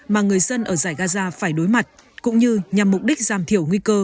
mà người dân ở giải gaza phải đối mặt cũng như nhằm mục đích giảm thiểu nguy cơ